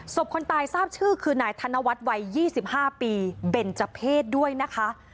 ศพคนตายทราบชื่อคือหน่ายธนวัตรวัย๒๕ปีเบนจพเพศด้วยนะคะ